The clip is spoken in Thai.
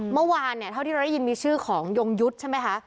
เมื่อวานเนี่ยเท่าที่เราได้ยินมีชื่อของยงยุทธ์ใช่ไหมคะ